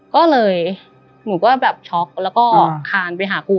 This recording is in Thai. ก็เลยหนูก็แบบช็อกแล้วก็คานไปหาครู